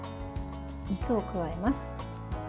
肉を加えます。